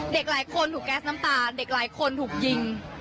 เด็กหลายคนถูกแก๊สน้ำตาเด็กหลายคนถูกยิง